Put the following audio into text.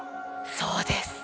そうです。